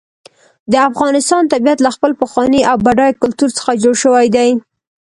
د افغانستان طبیعت له خپل پخواني او بډایه کلتور څخه جوړ شوی دی.